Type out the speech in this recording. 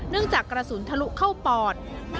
เนื่องจากกระสุนทะลุเข้าปอด